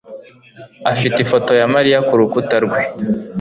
afite ifoto ya Mariya kurukuta rwe.